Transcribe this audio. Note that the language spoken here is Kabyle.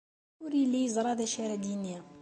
Ur yelli yeẓra d acu ara d-yini.